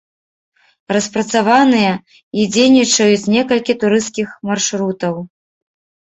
Распрацаваныя і дзейнічаюць некалькі турысцкіх маршрутаў.